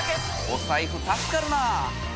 お財布助かるなぁ。